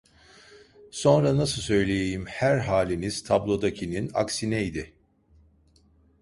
Sonra, nasıl söyleyeyim, her haliniz tablodakinin aksineydi…